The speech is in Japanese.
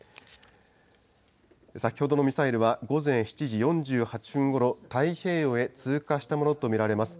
先ほどのミサイルは午前７時４８分ごろ、太平洋へ通過したものと見られます。